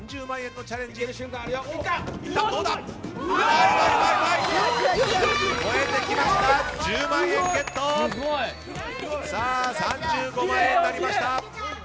３５万円になりました。